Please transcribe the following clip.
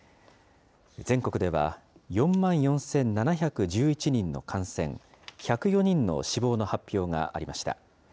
全国では４万４７１１人の感染、１０４人の死亡の発表がありました。